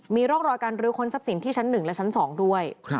มีร่องรอยการรื้อค้นทรัพย์สินที่ชั้น๑และชั้น๒ด้วย